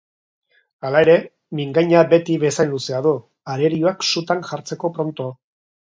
Halere, mingaina beti bezain luzea du, arerioak sutan jartzeko pronto.